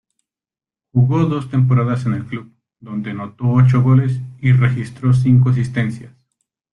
Jugó dos temporadas en el club, donde anotó ocho goles y registró cinco asistencias.